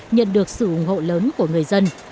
nhận được sự ủng hộ lớn của người dân